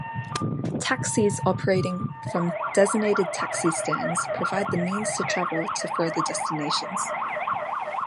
Taxis operating from designated taxi stands provide the means to travel to further destinations.